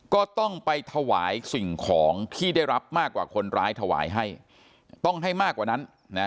ก็ต้องไปถวายสิ่งของที่ได้รับมากกว่าคนร้ายถวายให้ต้องให้มากกว่านั้นนะ